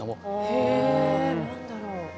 へえ何だろう。